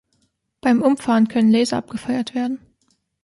Beim Umfahren können Laser abgefeuert werden.